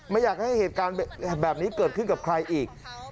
ไม่อยากให้เหตุการณ์แบบนี้เกิดขึ้นกับใครอีก